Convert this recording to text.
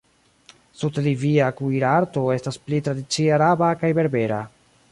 Sud-libia kuirarto estas pli tradicie araba kaj berbera.